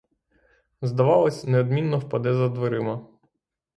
Здавалось — неодмінно впаде за дверима.